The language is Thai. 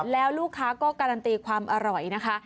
แล้วลูกค้าก็การันตีความอร่อยนะคะ